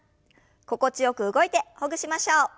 心地よく動いてほぐしましょう。